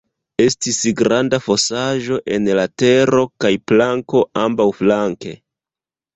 Estis granda fosaĵo en la tero kaj planko ambaŭflanke.